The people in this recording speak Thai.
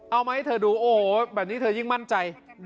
เอามาให้เธอดูโอ้โหแบบนี้เธอยิ่งมั่นใจ